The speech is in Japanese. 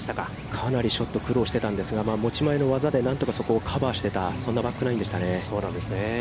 かなりショット、苦労してたんですが、持ち前の技でそこを何とかカバーしていたそんなバックナインでしたね。